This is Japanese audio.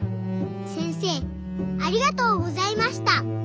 せんせいありがとうございました。